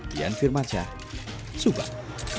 dian firmaca subang